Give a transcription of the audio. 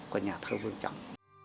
của nhà thơ vương trọng